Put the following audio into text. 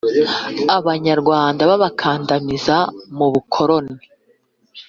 Abanyarwanda babakandamiza mu bukoloni.